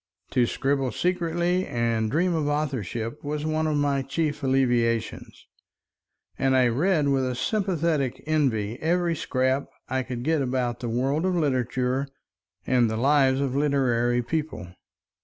To scribble secretly and dream of authorship was one of my chief alleviations, and I read with a sympathetic envy every scrap I could get about the world of literature and the lives of literary people.